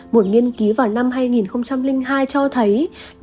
một nghiên cứu vào năm hai nghìn hai cho biết rằng